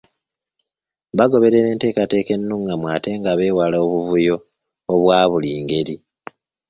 Bagoberere enteekateeka ennungamu ate nga beewala obuvuyo obwa buli ngeri.